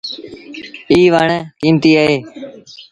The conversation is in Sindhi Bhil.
ايٚ وڻ ڪيٚمتيٚ اهي۔